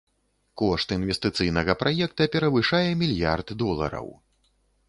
Кошт інвестыцыйнага праекта перавышае мільярд долараў.